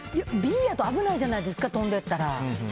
Ｂやと危ないじゃないですか飛んでったら。